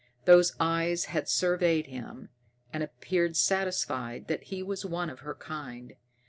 Those eyes had surveyed him, and appeared satisfied that he was one of her kind.